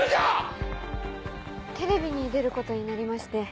テレビに出ることになりまして。